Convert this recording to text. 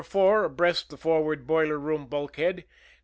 4 abreast the for ward boiler room bulkhead, No.